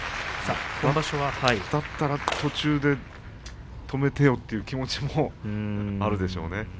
だったら途中で止めてよという気持ちもあるでしょうね